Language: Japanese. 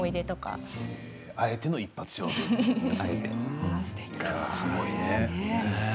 あえての一発勝負なんですね。